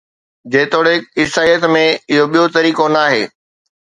جيتوڻيڪ عيسائيت ۾، اهو ٻيو طريقو ناهي